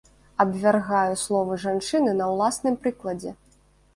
Абвяргаю словы жанчыны на ўласным прыкладзе.